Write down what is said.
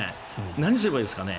何すればいいですかね。